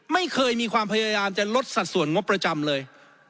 ไม่เคยมีความพยายามจะลดสัดส่วนงบประจำเลย